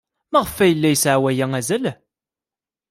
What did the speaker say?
Maɣef ay yella yesɛa waya azal?